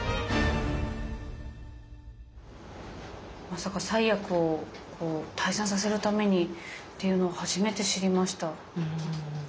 まさか災厄を退散させるためにっていうのを初めて知りました。